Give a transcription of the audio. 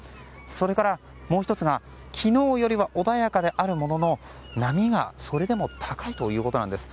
それからもう１つが昨日よりは穏やかであるものの波がそれでも高いということです。